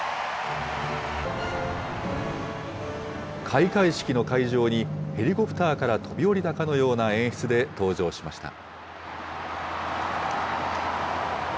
開会式の会場に、ヘリコプターから飛び降りたかのような演出で登場しました。